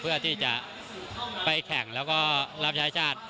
เพื่อที่จะไปแข่งแล้วก็รับใช้ชาติ